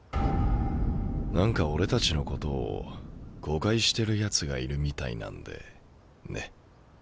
何か俺たちのことを誤解してるやつがいるみたいなんでね。